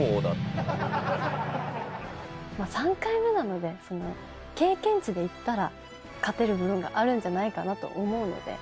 ３回目なので、経験値でいったら、勝てるものがあるんじゃないかと思うので。